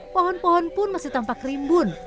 pohon pohon pun masih tampak rimbun